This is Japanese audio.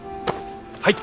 はい。